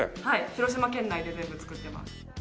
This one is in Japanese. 広島県内で全部作ってます。